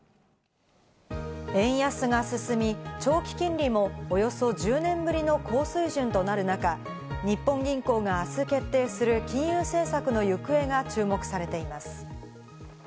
円安が進み、長期金利もおよそ１０年ぶりの高水準となる中、日本銀行があす決定する金融政策の行方が注目されています。